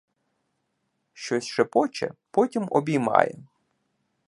Щось шепоче, потім обіймає.